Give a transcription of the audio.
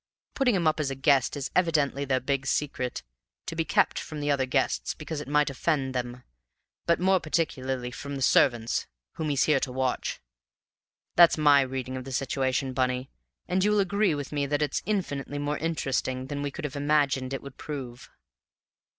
Putting him up as a guest is evidently their big secret, to be kept from the other guests because it might offend them, but more particularly from the servants whom he's here to watch. That's my reading of the situation, Bunny, and you will agree with me that it's infinitely more interesting than we could have imagined it would prove."